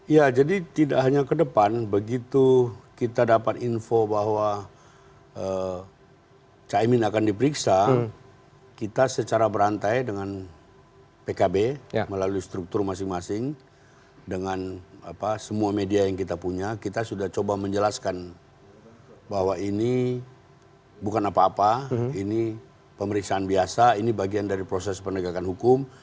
ya jadi tidak hanya ke depan begitu kita dapat info bahwa cak emin akan diperiksa kita secara berantai dengan pkb melalui struktur masing masing dengan semua media yang kita punya kita sudah coba menjelaskan bahwa ini bukan apa apa ini pemeriksaan biasa ini bagian dari proses penegakan hukum